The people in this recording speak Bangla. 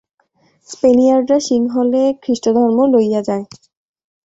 স্পেনিয়ার্ডরা সিংহলে খ্রীষ্টধর্ম লইয়া যায়।